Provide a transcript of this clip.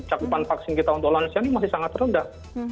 cakupan vaksin kita untuk lansia ini masih sangat rendah